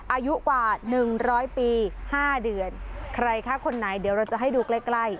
อายุกว่าหนึ่งร้อยปีห้าเดือนใครคะคนไหนเดี๋ยวเราจะให้ดูใกล้ใกล้